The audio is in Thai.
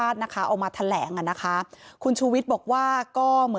ต่อสังคม